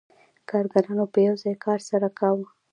کارګرانو به یو ځای کار سره کاوه